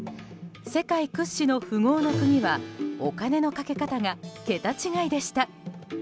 世界屈指の富豪の国はお金のかけ方が桁違いでした。